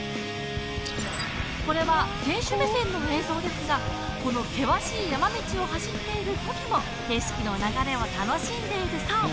これは選手目線の映像ですが、この険しい山道を走っている時も景色の流れを楽しんでいるそう。